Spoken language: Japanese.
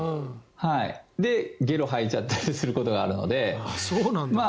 で、ゲロを吐いちゃったりすることがあるので。